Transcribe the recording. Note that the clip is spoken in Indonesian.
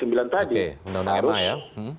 oke undang undang ma ya